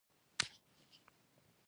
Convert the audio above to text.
د مڼو په سړه خونه کې ګاز کارول کیږي؟